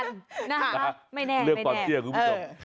นะฮะไม่แน่เออไม่แน่เลือกก่อนเสียคุณผู้ชม